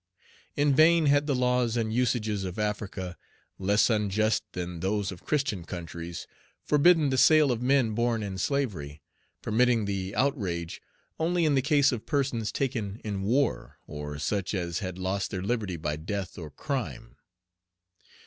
In vain had the laws and usages of Africa, less unjust than those of Christian countries, forbidden the sale of men born in slavery, permitting the outrage only in the case of persons taken in war, or such as had lost their liberty by death or crime.